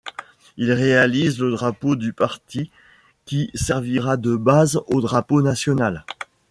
Il réalise le drapeau du parti, qui servira de base au drapeau national.